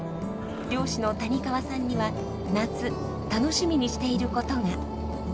漁師の谷川さんには夏楽しみにしていることが。